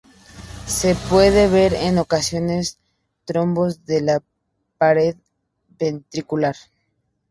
Se puede ver en ocasiones, trombos de la pared ventricular.